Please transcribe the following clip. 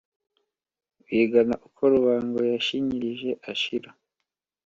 bigana uko Rubango yashinyirije ashira